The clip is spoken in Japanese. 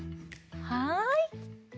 はい。